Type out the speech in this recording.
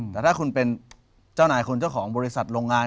แต่ถ้าคุณเป็นเจ้านายคุณเจ้าของบริษัทโรงงาน